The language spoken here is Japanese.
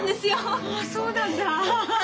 あそうなんだ。